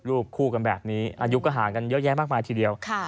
รูปคู่กันแบบนี้อายุก็ห่างกันเยอะแยะมากมายทีเดียว